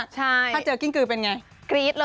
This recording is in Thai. ถ้าเจอกิ้งกือเป็นไง